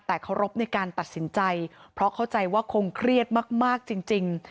แต่เคารพในการตัดสินใจเพราะเข้าใจว่าคงเครียดมากจริง